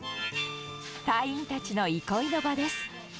隊員たちの憩いの場です。